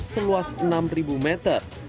seluas enam meter